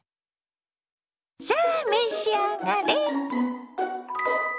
さあ召し上がれ！